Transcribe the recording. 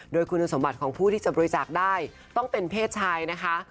โดยคุณสมบัติของผู้ที่จะบริจาคได้ต้องเป็นเพศชายนะคะ